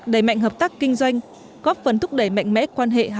đẩy mạnh hợp tác kinh doanh